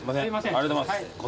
ありがとうございます。